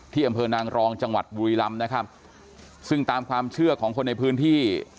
อำเภอนางรองจังหวัดบุรีรำนะครับซึ่งตามความเชื่อของคนในพื้นที่